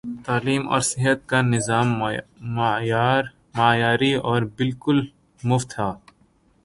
تعلیم اور صحت کا نظام معیاری اور بالکل مفت تھا۔